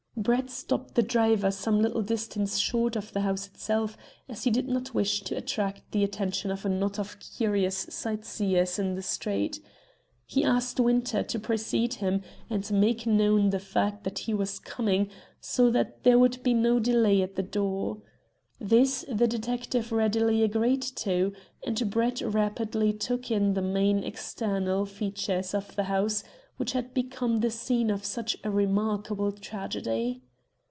Brett stopped the driver some little distance short of the house itself, as he did not wish to attract the attention of a knot of curious sightseers in the street. He asked Winter to precede him and make known the fact that he was coming, so that there would be no delay at the door. This the detective readily agreed to, and Brett rapidly took in the main external features of the house which had become the scene of such a remarkable tragedy.